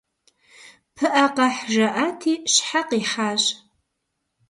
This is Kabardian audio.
«Пыӏэ къэхь» жаӏати, щхьэ къихьащ.